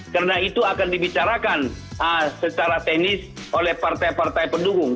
karena itu akan dibicarakan secara teknis oleh partai partai pendukung